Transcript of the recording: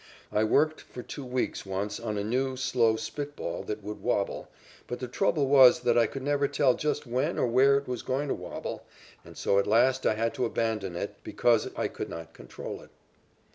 I worked for two weeks once on a new, slow, spit ball that would wabble, but the trouble was that I could never tell just when or where it was going to wabble, and so at last I had to abandon it because I could not control it.